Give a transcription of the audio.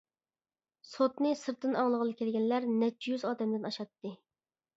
سوتنى سىرتتىن ئاڭلىغىلى كەلگەنلەر نەچچە يۈز ئادەمدىن ئاشاتتى.